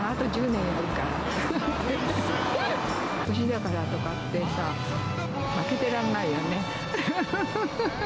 年だからってさ、負けてられないよね。